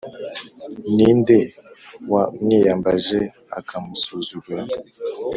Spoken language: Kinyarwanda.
ni nde wamwiyambaje, akamusuzugura?